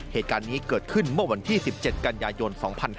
เหตุการณ์นี้เกิดขึ้นเมื่อวันที่๑๗กันยายน๒๕๕๙